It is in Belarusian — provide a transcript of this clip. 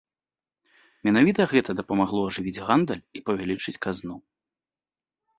Менавіта гэта дапамагло ажывіць гандаль і павялічыць казну.